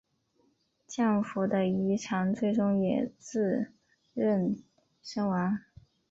降伏的义长最终也自刃身亡。